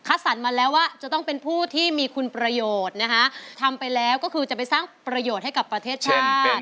สรรมาแล้วว่าจะต้องเป็นผู้ที่มีคุณประโยชน์นะคะทำไปแล้วก็คือจะไปสร้างประโยชน์ให้กับประเทศชาติ